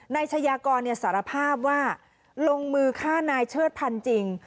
ชายากรสารภาพว่าลงมือฆ่านายเชิดพันธ์จริง